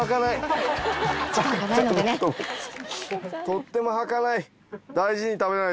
とってもはかない。